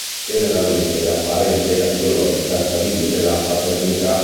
Generalmente è la parentela biologica a stabilire la paternità.